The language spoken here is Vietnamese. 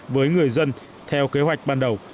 với người dân theo kế hoạch ban đầu